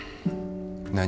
何？